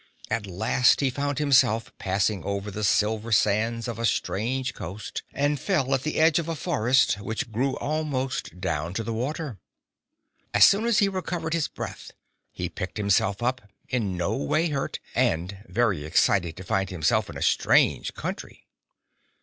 At last he found himself passing over the silver sands of a strange coast, and fell at the edge of a forest which grew almost down to the water. As soon as he recovered his breath, he picked himself up, in no way hurt, and very excited to find himself in a strange country.